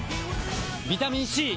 ビタミン Ｃ！